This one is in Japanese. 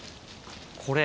これ。